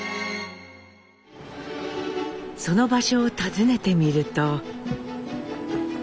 その場所を訪ねてみると。